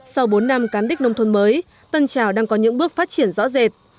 sau bốn năm cán đích nông thôn mới tân trào đang có những bước phát triển rõ rệt